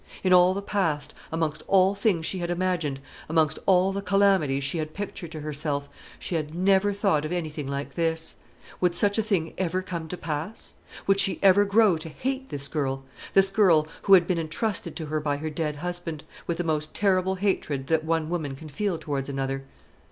In all the past, amongst all things she had imagined, amongst all the calamities she had pictured to herself, she had never thought of anything like this. Would such a thing ever come to pass? Would she ever grow to hate this girl this girl, who had been intrusted to her by her dead husband with the most terrible hatred that one woman can feel towards another?